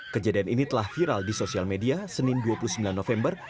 kejadian ini telah viral di sosial media senin dua puluh sembilan november